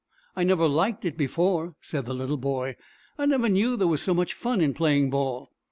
"I never liked it before," said the little boy. "I never knew there was so much fun in playing ball."